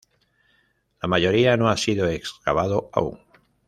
La mayoría no ha sido excavado aún.